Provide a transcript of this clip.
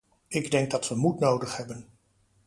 Ik denk dat we moed nodig hebben.